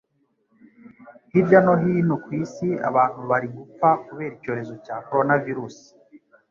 Hirya no hino ku isi abantu bari gupfa kubera icyorezo cya Koronavirusi